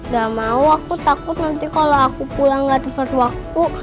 gak mau aku takut nanti kalau aku pulang gak tepat waktu